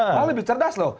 mereka lebih cerdas loh